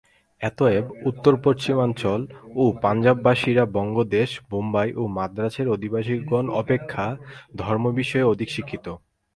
অতএব উত্তর-পশ্চিমাঞ্চল ও পঞ্জাববাসীরা বঙ্গদেশ, বোম্বাই ও মান্দ্রাজের অধিবাসিগণ অপেক্ষা ধর্মবিষয়ে অধিক শিক্ষিত।